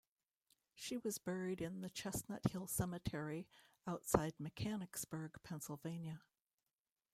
She was buried in the Chestnut Hill Cemetery outside Mechanicsburg, Pennsylvania.